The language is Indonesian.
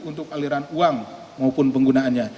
untuk aliran uang maupun penggunaannya